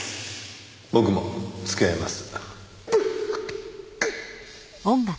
僕も付き合います。